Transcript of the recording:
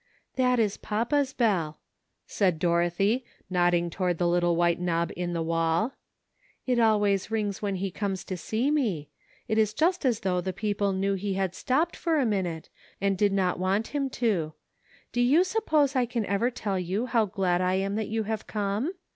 "That is papa's bell," said Dorothy, nodding toward the little white knob in the wall. "It always rings when he comes to see me ; it is just as though the people knew he had stopped for a minute, and did not want him to. Do 214 A LONG, WONDERFUL DAY. you suppose I can ever tell you how glad I am that you have come?